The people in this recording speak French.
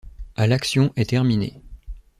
À l’action est terminée.